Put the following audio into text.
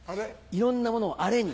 いろんなものをアレに。